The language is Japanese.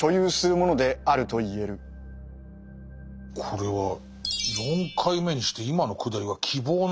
これは４回目にして今のくだりは希望なのか？